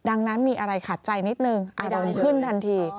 ดังนั้นมีอะไรขาดใจนิดนึงดังขึ้นทันที